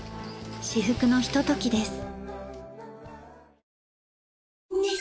至福のひとときです。